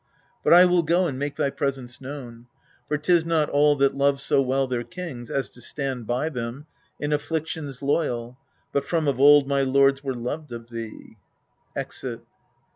But I will go and make thy presence known : For 'tis not all that love so well their kings As to stand by them, in afflictions loyal. But from of old my lords were loved of thee. [Exit.